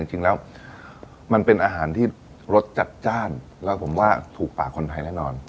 จริงแล้วมันเป็นอาหารที่รสจัดจ้านแล้วผมว่าถูกปากคนไทยแน่นอน